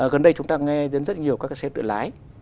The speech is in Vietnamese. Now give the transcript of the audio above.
gần đây chúng ta nghe đến rất nhiều các cái xe tự lái